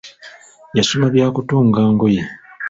Yasoma bya kutunga ngoye.